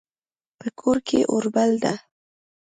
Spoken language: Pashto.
په کور کې اور بل ده